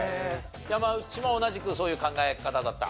山内も同じくそういう考え方だった？